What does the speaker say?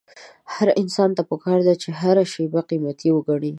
هر انسان ته پکار ده چې هره شېبه قيمتي وګڼي.